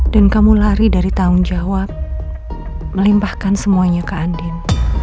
dan kamu lari dari tanggung jawab melimpahkan semuanya ke andien